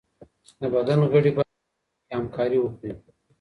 د بدن غړي بايد خپلو کي همکاري وکړي.